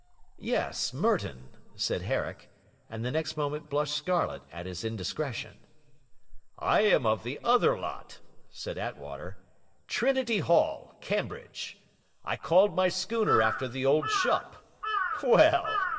'Yes, Merton,' said Herrick, and the next moment blushed scarlet at his indiscretion. 'I am of the other lot,' said Attwater: 'Trinity Hall, Cambridge. I called my schooner after the old shop. Well!